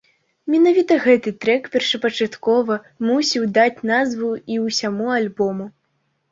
Менавіта гэты трэк першапачаткова мусіў даць назву і ўсяму альбому.